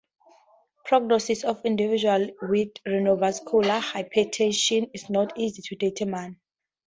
Prognosis of individuals with renovascular hypertension is not easy to determine.